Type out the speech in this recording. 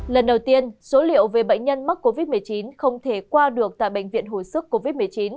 lần đầu tiên số liệu về bệnh nhân mắc covid một mươi chín không thể qua được tại bệnh viện hồi sức covid một mươi chín